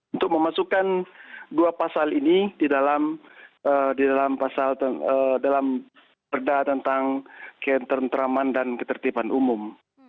untuk memasukkan dua pasal ini di dalam perda tentang ketentraman dan ketertiban umum